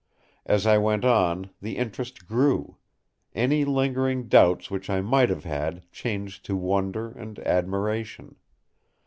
As I went on, the interest grew; any lingering doubts which I might have had changed to wonder and admiration.